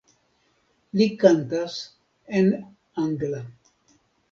Li kantas en angla.